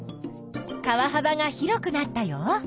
川はばが広くなったよ。